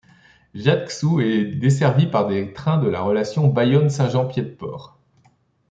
Jatxou est desservie par des trains de la relation Bayonne - Saint-Jean-Pied-de-Port.